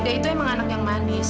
beda itu emang anak yang manis